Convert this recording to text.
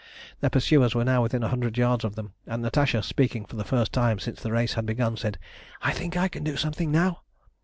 Their pursuers were now within a hundred yards of them, and Natasha, speaking for the first time since the race had begun, said "I think I can do something now."